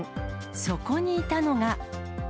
そこにいたのが。